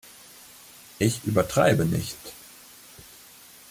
Ich übertreibe nicht.